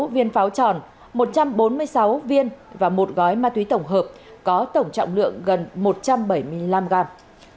hai mươi viên pháo tròn một trăm bốn mươi sáu viên và một gói ma túy tổng hợp có tổng trọng lượng gần một trăm bảy mươi năm gram